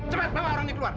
cepat bawa orang ini keluar